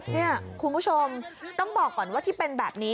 นี่คุณผู้ชมต้องบอกก่อนว่าที่เป็นแบบนี้